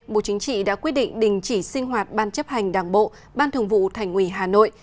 bộ chính trị đã quyết định đình chỉ sinh hoạt ban chấp hành đảng bộ ban thường vụ thành ủy hà nội